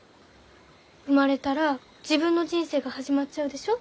生まれたら自分の人生が始まっちゃうでしょ？